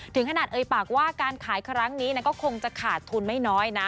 ถึงขนาดเอ่ยปากว่าการขายครั้งนี้ก็คงจะขาดทุนไม่น้อยนะ